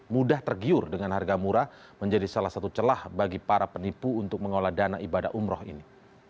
mudah tergiur dengan harga murah menjadi salah satu celah bagi para penipu untuk mengolah dana ibadah umroh ini